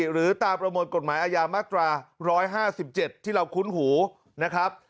หรือตามประมวลกฎหมายอาญามาตรา๑๕๗ที่เราคุ้นหูนะครับ